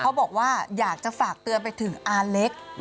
บอกว่าอยากจะฝากเตือนไปถึงอาเล็ก